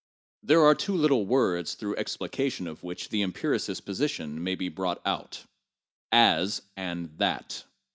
There are two little words through explication of which the em piricist's position may be brought outŌĆö 'as' and 'that.'